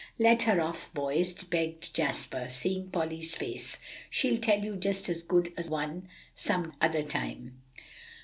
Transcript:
"Let her off, boys," begged Jasper, seeing Polly's face; "she'll tell you just as good a one some other time."